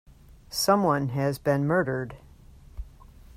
Someone has been murdered.